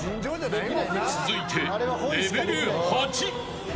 続いてレベル８。